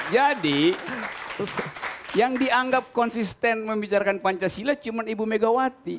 jadi yang dianggap konsisten membicarakan pancasila cuma ibu megawati